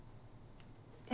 え？